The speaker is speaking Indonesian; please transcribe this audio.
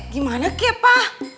gimana kek pa